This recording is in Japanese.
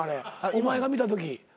お前が見たとき。